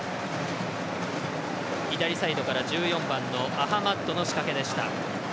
左サイドから１４番のアハマッドの仕掛けでした。